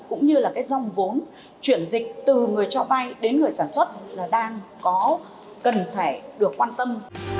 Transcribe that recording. cũng như là cái dòng vốn chuyển dịch từ người cho vay đến người sản xuất là đang có cần thể được quan tâm